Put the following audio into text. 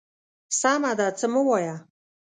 _سمه ده، څه مه وايه.